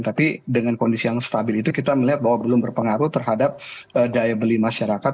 tapi dengan kondisi yang stabil itu kita melihat bahwa belum berpengaruh terhadap daya beli masyarakat